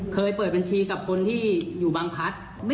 เคยเปิดบัญชีกับคนที่อยู่บางพัก